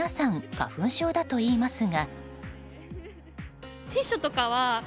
花粉症だといいますが。